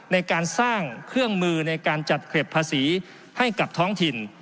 ในการสร้างเครื่องมือในการจัดเก็บภาษีให้กับท้องถิ่น